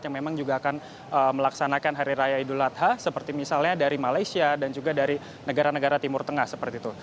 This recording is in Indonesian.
yang memang juga akan melaksanakan hari raya idul adha seperti misalnya dari malaysia dan juga dari negara negara timur tengah seperti itu